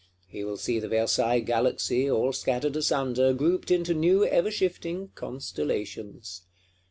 He will see the Versailles Galaxy all scattered asunder, grouped into new ever shifting Constellations.